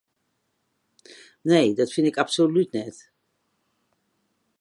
Nee, dat fyn ik absolút net.